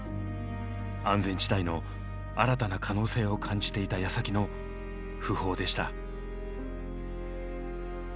安全地帯の新たな可能性を感じていたやさきの訃報でした。